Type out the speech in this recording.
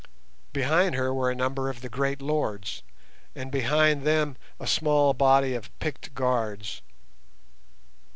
Behind her were a number of the great lords, and behind them a small body of picked guards.